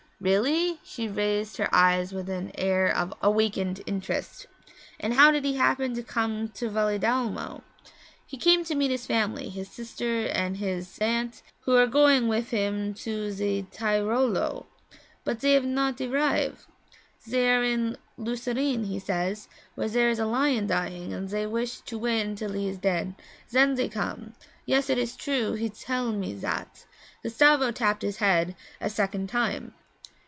'Really?' She raised her eyes with an air of awakened interest. 'And how did he happen to come to Valedolmo?' 'He come to meet his family, his sister and his his aunt, who are going wif him to ze Tyrollo. But zay have not arrive. Zey are in Lucerne, he says, where zer is a lion dying, and zey wish to wait until he is dead; zen zey come. Yes, it is true; he tell me zat.' Gustavo tapped his head a second time.